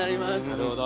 なるほど。